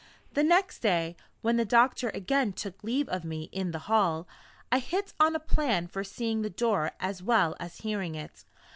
The next day, when the doctor again took leave of me in the hall, I hit on a plan for seeing the door as well as hearing it.